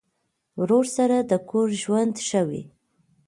ورور سره د کور ژوند ښه وي.